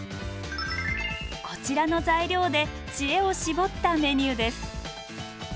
こちらの材料で知恵を絞ったメニューです。